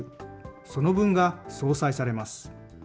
その分が相殺されます。